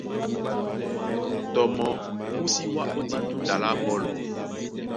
Tɔ mɔɔ́ mú sí wá ó dîn duta lá ɓɔ́lɔ.